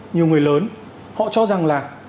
nhiều người lớn họ cho rằng là